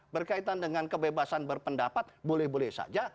berkaitan dengan kebebasan berpendapat boleh boleh saja